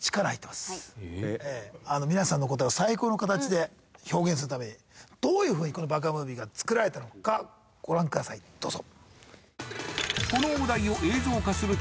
あの皆さんの答えを最高の形で表現するためにどういう風にこのＢＡＫＡムービーが作られのかご覧くださいどうぞ。